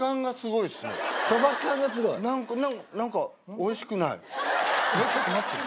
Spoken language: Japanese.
えっちょっと待って。